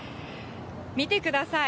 見てください。